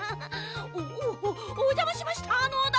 おおおじゃましましたのだ！